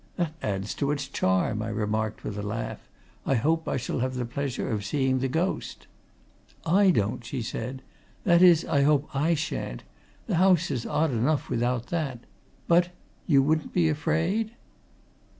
"That adds to its charm," I remarked with a laugh. "I hope I shall have the pleasure of seeing the ghost." "I don't!" she said. "That is, I hope I shan't. The house is odd enough without that! But you wouldn't be afraid?"